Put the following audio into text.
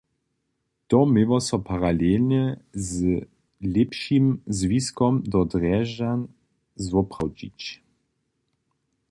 To měło so paralelnje z lěpšim zwiskom do Drježdźan zwoprawdźić.